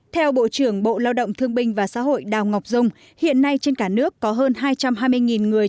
theo bộ trưởng bộ lao động thương binh và xã hội đào ngọc dung hiện nay trên cả nước có hơn hai trăm hai mươi người